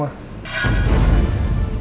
maka aku gak bisa jalan